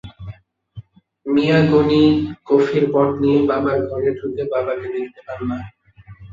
মিয়া গনি কফির পট নিয়ে বাবার ঘরে ঢুকে বাবাকে দেখতে পান না।